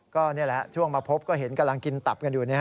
ก็นี่แหละช่วงมาพบก็เห็นกำลังกินตับกันอยู่